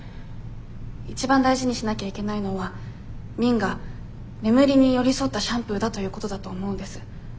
一番大事にしなきゃいけないのは「Ｍｉｎ」が眠りに寄り添ったシャンプーだということだと思うんです。